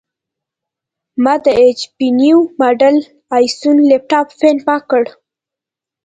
ما د ایچ پي نوي ماډل ائ سیون لېپټاپ فین پاک کړ.